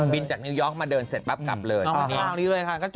บินจากนิวยอลมาเดินเสร็จแป๊บกลับเลยนี่